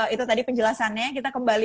itu tadi penjelasannya kita kembali